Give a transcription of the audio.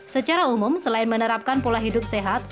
secara umum selain menerapkan pola hidup sehat